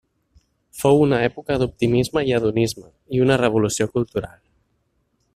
Fou una època d'optimisme i hedonisme, i una revolució cultural.